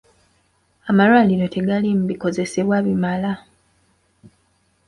Amalwaliro tegaliimu bikozesebwa bimala.